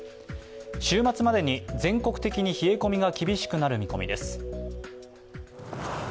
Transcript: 週末までに全国的に冷え込みが厳しくなる見込みです。